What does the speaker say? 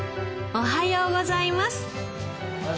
おはようございます。